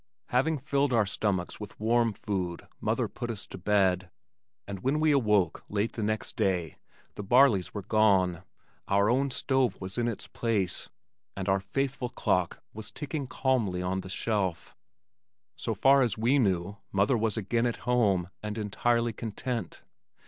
Having filled our stomachs with warm food mother put us to bed, and when we awoke late the next day the Barleys were gone, our own stove was in its place, and our faithful clock was ticking calmly on the shelf. So far as we knew, mother was again at home and entirely content.